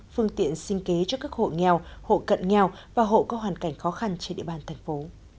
phương tiện sinh kế cho các hộ nghèo hộ cận nghèo và hộ có hoàn cảnh khó khăn trên địa bàn thành phố